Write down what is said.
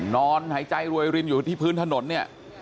นอนหายใจรวยรินอยู่ที่พื้นถนนเนี่ย